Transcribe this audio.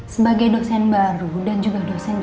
sebagai dosen baru dan juga dosen yang baru